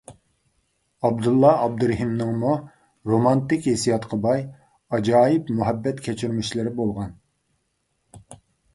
ئابدۇللا ئابدۇرېھىمنىڭمۇ رومانتىك ھېسسىياتقا باي ئاجايىپ مۇھەببەت كەچۈرمىشلىرى بولغان.